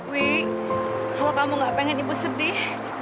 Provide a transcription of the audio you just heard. wih kalau kamu nggak pengen ibu sedih